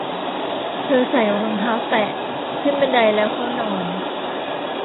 เธอใส่รองเท้าแตะ ขึ้นบันไดแล้วเข้านอน